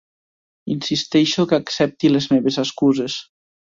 Insisteixo que accepti les meves excuses.